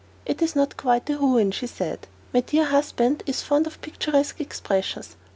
"It is not quite a ruin," she said. "My dear husband is fond of picturesque expressions.